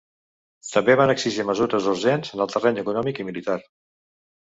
També van exigir mesures urgents en el terreny econòmic i militar.